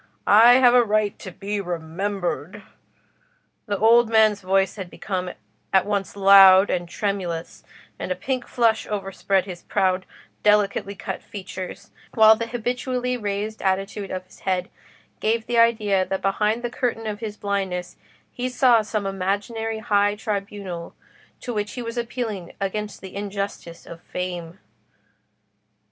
I have a right to be remembered." The old man's voice had become at once loud and tremulous, and a pink flush overspread his proud, delicately cut features, while the habitually raised attitude of his head gave the idea that behind the curtain of his blindness he saw some imaginary high tribunal to which he was appealing against the injustice of Fame.